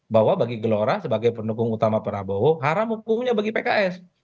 bahwa bagi gelora sebagai pendukung utama prabowo haram hukumnya bagi pks